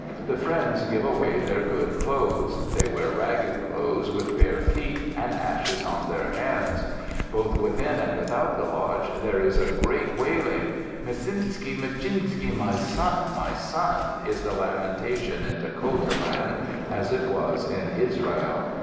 The friends give away their good clothes. They wear ragged clothes, with bare feet, and ashes on their hands. Both within and without the lodge there is a great wailing. "Micinski, micinski, my son, my son," is the lamentation in Dakota land as it was in Israel.